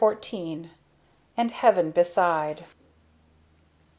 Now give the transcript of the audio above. AND HEAVEN BESIDE.